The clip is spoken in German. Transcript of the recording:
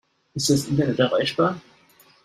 Ist das Internet erreichbar?